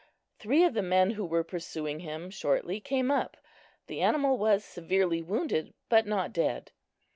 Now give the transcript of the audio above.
Three of the men who were pursuing him shortly came up. The animal was severely wounded, but not dead.